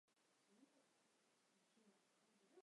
之后因病归乡。